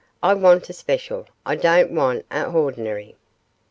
'I want a special, I don't want a hordinary.